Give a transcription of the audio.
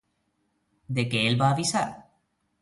De què el va avisar?